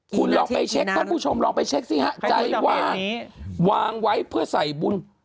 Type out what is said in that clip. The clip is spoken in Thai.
คุณลองไปเช็คท่านผู้ชมลองไปเช็คสิฮะใจว่าวางไว้เพื่อใส่บุญ